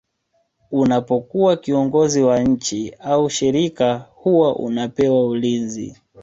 unapokuwa kiongozi wa nchi au shirika huwa unapewa ulinzi